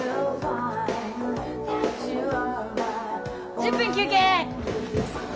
１０分休憩。